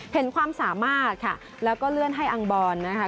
เห็นความสามารถค่ะแล้วก็เลื่อนให้อังบอลนะคะ